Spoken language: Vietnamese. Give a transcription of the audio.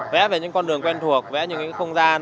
vẽ về những con đường quen thuộc vẽ những không gian